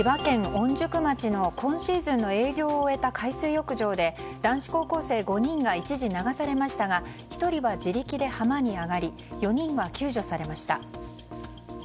御宿町の今シーズンの営業を終えた海水浴場で男子高校生５人が一時流されましたが１人は自力で浜に上がり４人は救助されました。